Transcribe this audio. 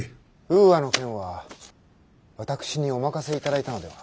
「ウーアの件は私にお任せいただいたのでは？」。